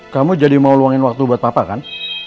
kamu jadi mau luangin waktu buat papa kan